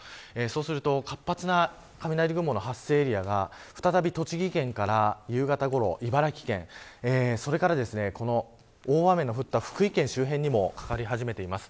すると活発な雷雲の発生エリアが再び栃木県から夕方ごろ、茨城県それから大雨の降った福井県周辺にもかかり始めています。